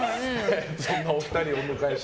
そんなお二人をお迎えして。